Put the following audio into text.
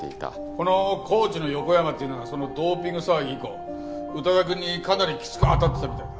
このコーチの横山っていうのがそのドーピング騒ぎ以降宇多田くんにかなりきつく当たってたみたいだ。